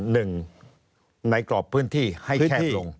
๑ไหนกรอบพื้นที่ให้แคบลง